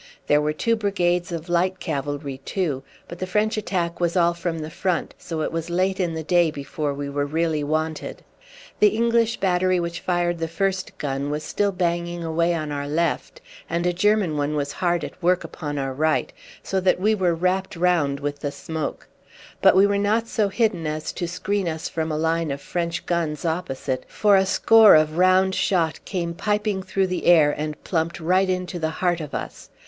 There were two brigades of light cavalry, too; but the French attack was all from the front, so it was late in the day before we were really wanted. The English battery which fired the first gun was still banging away on our left, and a German one was hard at work upon our right, so that we were wrapped round with the smoke; but we were not so hidden as to screen us from a line of French guns opposite, for a score of round shot came piping through the air and plumped right into the heart of us.